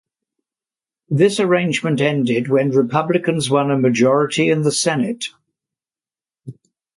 This arrangement ended when Republicans won a majority in the Senate.